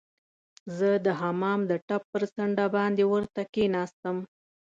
زه د حمام د ټپ پر څنډه باندې ورته کښیناستم.